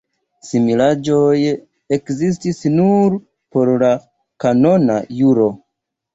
Similaĵoj ekzistis nur por la kanona juro.